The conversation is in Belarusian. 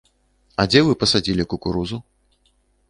А дзе вы пасадзілі кукурузу?